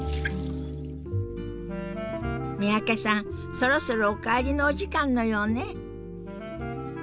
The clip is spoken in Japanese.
三宅さんそろそろお帰りのお時間のようね。